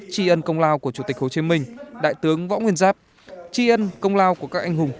tri ân công lao của chủ tịch hồ chí minh đại tướng võ nguyên giáp tri ân công lao của các anh hùng